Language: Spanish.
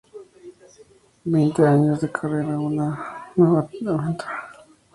Veinte años de carrera y una nueva aventura con Take That.